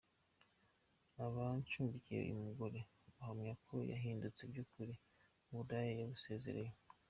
Abacumbikiye uyu mugore bahamya ko yahindutse by’ukuri, uburaya yabusezereye.